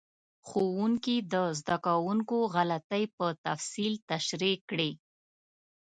ښوونکي د زده کوونکو غلطۍ په تفصیل تشریح کړې.